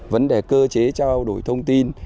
vấn đề cơ chế trao đổi thông tin